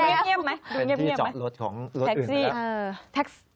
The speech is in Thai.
เป็นที่จอดรถของรถอื่นเลย